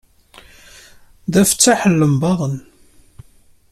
D afeṭṭaḥ n lembaḍen.